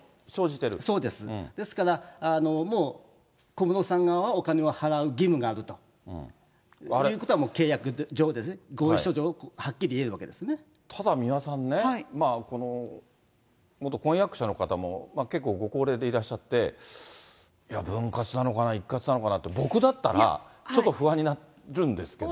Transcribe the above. ですから、もう小室さん側はお金を払う義務があるということは契約上、合意ただ、三輪さんね、元婚約者の方も結構ご高齢でいらっしゃって、分割なのかな、一括なのかなって、僕だったら、ちょっと不安になるんですけど。